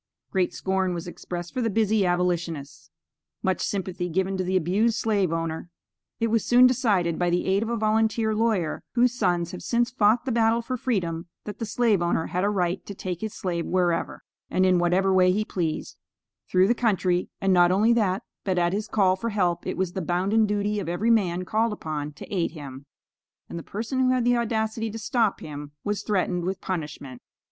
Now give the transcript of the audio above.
Great scorn was expressed for the busy Abolitionists. Much sympathy given to the abused slave owner. It was soon decided, by the aid of a volunteer lawyer, whose sons have since fought the battle for freedom, that the slave owner had a right to take his slave whereever, and in whatever way he pleased, through the country, and not only that, but at his call for help it was the bounden duty of every man, called upon, to aid him; and the person who had the audacity to stop him was threatened with punishment.